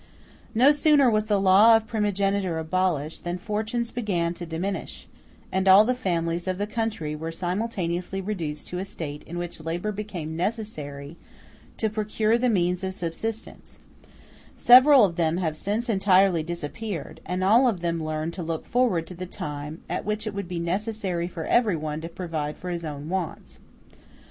No sooner was the law of primogeniture abolished than fortunes began to diminish, and all the families of the country were simultaneously reduced to a state in which labor became necessary to procure the means of subsistence: several of them have since entirely disappeared, and all of them learned to look forward to the time at which it would be necessary for everyone to provide for his own wants.